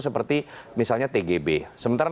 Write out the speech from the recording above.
seperti misalnya tgb sementara